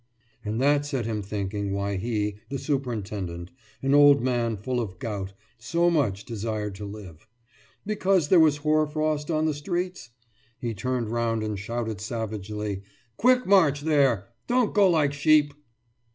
« And that set him thinking why he, the superintendent, an old man full of gout, so much desired to live. Because there was hoar frost on the streets? He turned round and shouted savagely: »Quick march, there! Don't go like sheep!